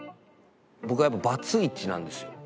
僕はやっぱバツイチなんですよ。